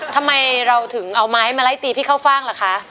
ทำไมเราถึงเอาไม้มาไล่ตีพี่เข้าฟ่างล่ะคะ